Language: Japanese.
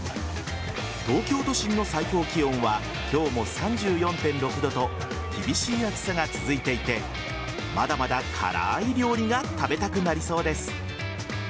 東京都心の最高気温は今日も３４．６度と厳しい暑さが続いていてまだまだ辛い料理が食べたくなりそうです。